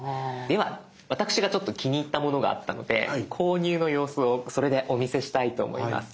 では私がちょっと気に入ったものがあったので購入の様子をそれでお見せしたいと思います。